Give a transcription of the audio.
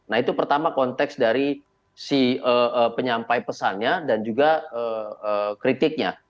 nah itu pertama konteks dari si penyampai pesannya dan juga kritiknya